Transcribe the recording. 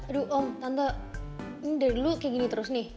aduh om tante ini dari dulu kayak gini terus nih